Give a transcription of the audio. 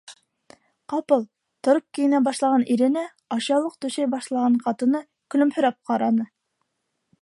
Ҡапыл тороп кейенә башлаған иренә ашъяулыҡ түшәй башлаған ҡатыны көлөмһөрәп ҡараны: